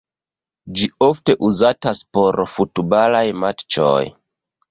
Ĝi ofte uzatas por futbalaj matĉoj.